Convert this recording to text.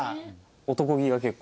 男気が結構。